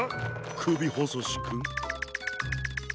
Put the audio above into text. くびほそしくん。